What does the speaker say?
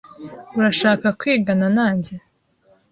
Urashaka kwigana nanjye?